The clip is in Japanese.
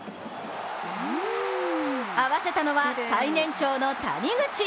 合わせたのは最年長の谷口。